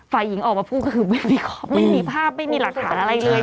ฝ่ายหญิงออกมาพูดก็คือไม่มีภาพไม่มีหลักฐานอะไรเลย